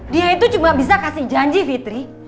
dia itu cuma bisa kasih janji fitri